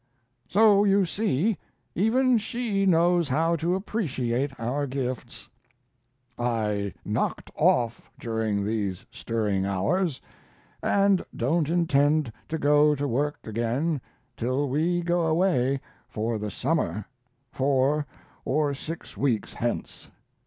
So, you see, even she knows how to appreciate our gifts.... I knocked off during these stirring hours, and don't intend to go to work again till we go away for the summer, four or six weeks hence.